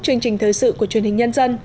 chương trình thời sự của truyền hình nhân dân